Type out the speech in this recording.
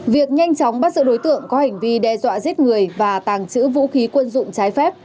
việc nhanh chóng bắt giữ đối tượng có hành vi đe dọa giết người và tàng trữ vũ khí quân dụng trái phép